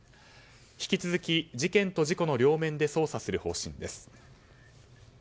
引き続き、事件と事故の両面で捜査する方針です。